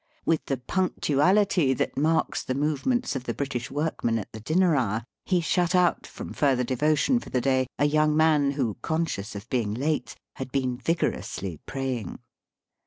With the punctuality that marks the movements of the British workman at the dinner hour, he shut out from further devo tion for the day a young man who, conscious of being late, had been vigorously praying.